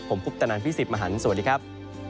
ผมพุทธนันทร์พี่สิบมหันสวัสดีครับ